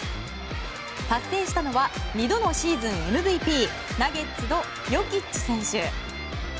達成したのは２度のシーズンＭＶＰナゲッツのヨキッチ選手。